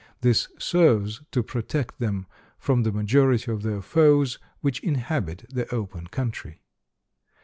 This serves to protect them from the majority of their foes, which inhabit the open country.